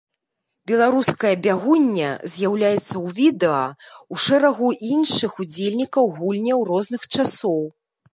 Беларуская бягуння з'яўляецца ў відэа ў шэрагу іншых удзельнікаў гульняў розных часоў.